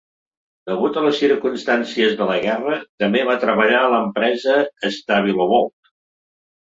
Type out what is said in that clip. Degut a les circumstàncies de la guerra, també va treballar a l'empresa Stabilovolt.